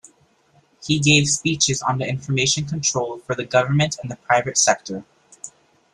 He gave speeches on information control for the government and the private sector.